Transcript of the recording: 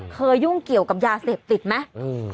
เคยุ่งเกี่ยวกับยาเสบติดมั้ยอืม